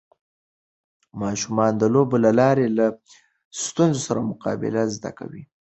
ماشومان د لوبو له لارې له ستونزو سره مقابله زده کوي.